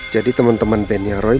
jadi teman teman band nya roy